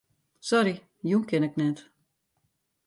Sorry, jûn kin ik net.